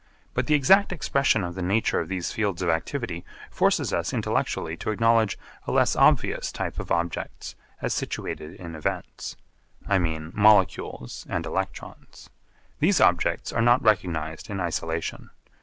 But the exact expression of the nature of these fields of activity forces us intellectually to acknowledge a less obvious type of objects as situated in events. I mean molecules and electrons. These objects are not recognised in isolation.